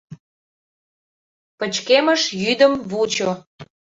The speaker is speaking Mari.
Пычкемыш йӱдым вучо...